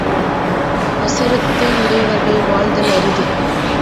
அசிரத்தையுடையவர்கள் வாழ்தல் அரிது!